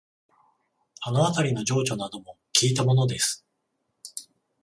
あのあたりの情緒などをきいたものです